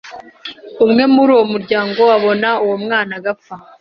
umwe muri uwo muryango ubona uwo mwana agapfa